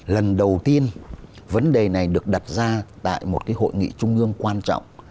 lần đầu tiên vấn đề này được đặt ra tại một hội nghị trung ương quan trọng